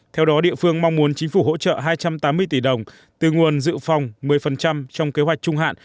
theo đó địa phương mong muốn chính phủ hỗ trợ hai trăm tám mươi tỷ đồng từ nguồn dự phòng một mươi trong kế hoạch trung hạn